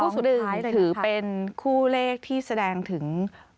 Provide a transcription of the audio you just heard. ๒คู่ถือเป็นคู่เลขที่แสดงถึง